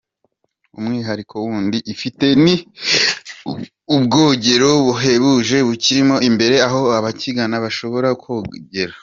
Umwihariko wundi ifite ni ubwogero buhebuje bukirimo imbere aho abakigana bashobora kogera.